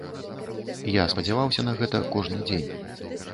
Я спадзяваўся на гэта кожны дзень.